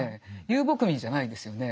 遊牧民じゃないんですよね。